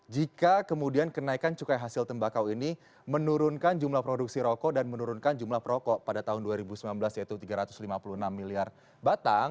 jika kemudian kenaikan cukai hasil tembakau ini menurunkan jumlah produksi rokok dan menurunkan jumlah perokok pada tahun dua ribu sembilan belas yaitu tiga ratus lima puluh enam miliar batang